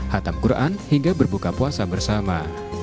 hatam quran hingga berbuka puasa bersama